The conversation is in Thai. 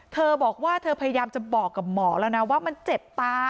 เธอบอกว่าเธอพยายามจะบอกกับหมอแล้วนะว่ามันเจ็บตา